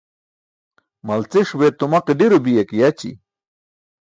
Malciṣ be tumaqee ḍi̇ro biya ke yaći̇.